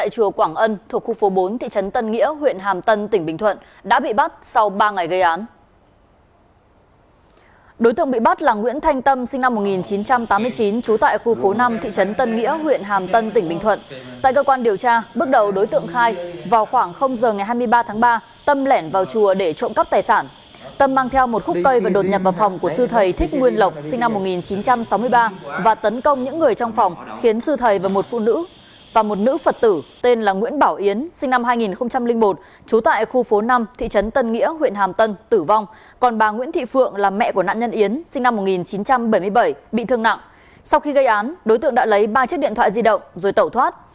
còn bà nguyễn thị phượng là mẹ của nạn nhân yến sinh năm một nghìn chín trăm bảy mươi bảy bị thương nặng sau khi gây án đối tượng đã lấy ba chiếc điện thoại di động rồi tẩu thoát